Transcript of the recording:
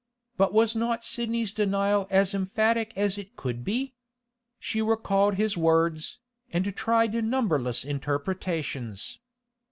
But was not Sidney's denial as emphatic as it could be? She recalled his words, and tried numberless interpretations.